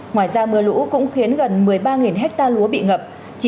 ngoài ra mưa lũ cũng khiến gần một mươi ba hectare lúa bị ngập